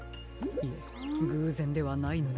いえぐうぜんではないのでしょうが。